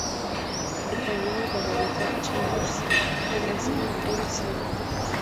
Compañero de Rebecca Chambers en Resident Evil Zero.